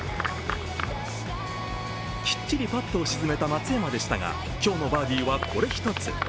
きっちりパットを沈めた松山でしたが、今日のバーディーはこれ１つ。